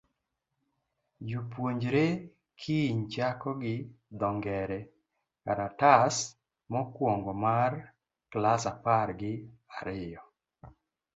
Jopuonjre kiny chako gi dho ngere karatas mokuongo mar klas apar gi ariyo.